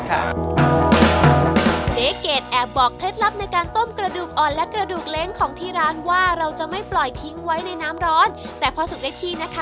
เก๋แอบบอกเคล็ดลับในการต้มกระดูกอ่อนและกระดูกเล้งของที่ร้านว่าเราจะไม่ปล่อยทิ้งไว้ในน้ำร้อนแต่พอสุกได้ที่นะคะ